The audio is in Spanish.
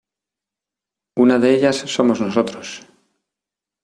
una de ellas somos nosotros.